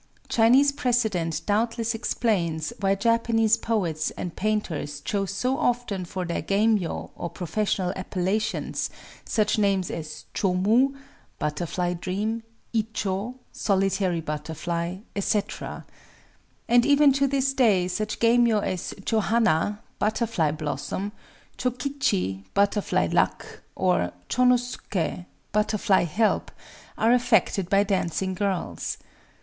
Chinese precedent doubtless explains why Japanese poets and painters chose so often for their geimyō, or professional appellations, such names as Chōmu ("Butterfly Dream)," Ichō ("Solitary Butterfly)," etc. And even to this day such geimyō as Chōhana ("Butterfly Blossom"), Chōkichi ("Butterfly Luck"), or Chōnosuké ("Butterfly Help"), are affected by dancing girls.